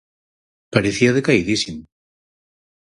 Parecía decaidísimo.